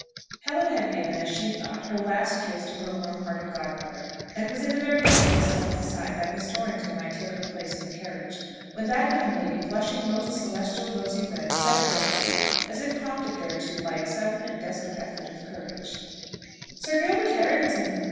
Helen had given, as she thought, her last kiss to her warm hearted godmother, and was in the very act of stepping aside that Miss Torrington might take her place in the carriage, when that young lady blushing most celestial rosy red, said abruptly, as if prompted thereto by a sudden and desperate effort of courage, "Sir Gilbert Harrington!